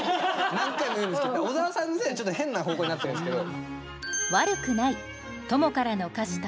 何回も言うんですけど小沢さんのせいでちょっと変な方向になってるんですけど。